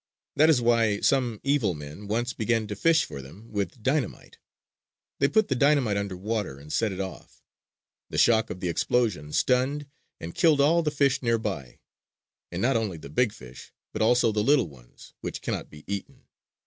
That is why some evil men once began to fish for them with dynamite. They put the dynamite under water and set it off. The shock of the explosion stunned and killed all the fish nearby; and not only the big fish, but also the little ones, which cannot be eaten.